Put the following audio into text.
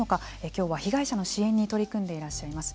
今日は、被害者の支援に取り組んでいらっしゃいます